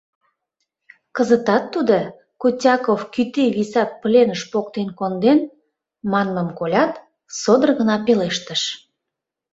Кызытат тудо «Кутяков кӱтӱ виса пленыш поктен конден» манмым колят, содор гына пелештыш: